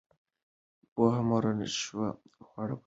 پوهه مور ښه خواړه برابروي.